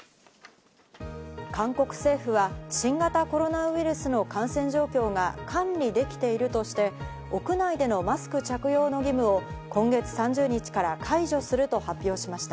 韓国政府は、新型コロナウイルスの感染状況が管理できているとして、屋内でのマスク着用の義務を今月３０日から解除すると発表しました。